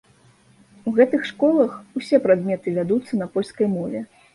У гэтых школах усе прадметы вядуцца на польскай мове.